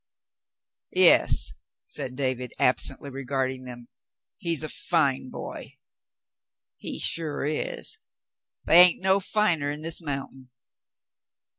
"Yes," said David, absently regarding them. "He's a fine boy." "He sure is. The' hain't no finer on this mountain."